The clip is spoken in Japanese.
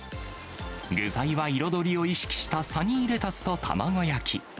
具材は、彩りを意識したサニーレタスと卵焼き。